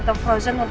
dia emang rambut